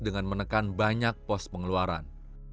dengan menekan banyak pos pengeluaran